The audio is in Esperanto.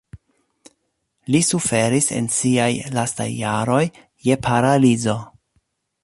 Li suferis en siaj lastaj jaroj je paralizo.